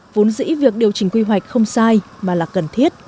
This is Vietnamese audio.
vốn dĩ việc điều chỉnh quy hoạch không sai mà là cần thiết